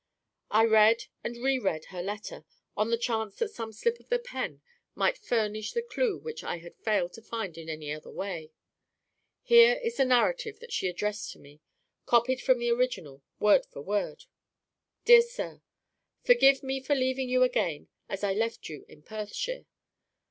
I read and reread her letter, on the chance that some slip of the pen might furnish the clew which I had failed to find in any other way. Here is the narrative that she addressed to me, copied from the original, word for word: "DEAR SIR Forgive me for leaving you again as I left you in Perthshire.